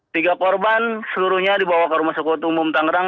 tiga korban seluruhnya dibawa ke rumah sakit umum tangerang